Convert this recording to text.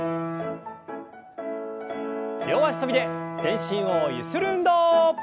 両脚跳びで全身をゆする運動。